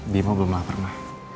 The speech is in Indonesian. bimo belum lapar ma